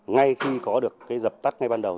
ngay khi có được cái dập tắt ngay ban đầu